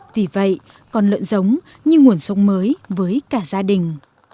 tuy vậy còn lợn giống như nguồn sống mới với cả gia đình